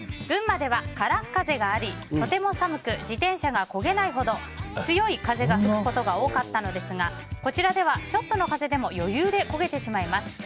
群馬では空っ風がありとても寒く自転車がこげないほど強い風が吹くことが多かったのですがこちらではちょっとの風でも余裕でこげてしまいます。